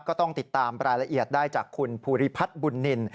ก็ต้องติดตามรายละเอียดได้จากคุณภูริพัฒน์บุญนิน